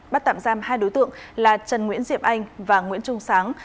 bắt tạm giam hai đối tượng là trần nguyễn diệp anh và nguyễn trung sáng